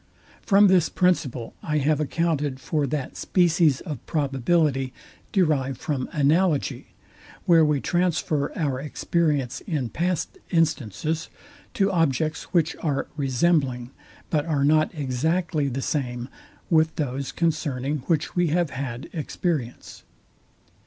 From this principle I have accounted for that species of probability, derived from analogy, where we transfer our experience in past instances to objects which are resembling, but are not exactly the same with those concerning which we have had experience.